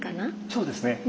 そうですね。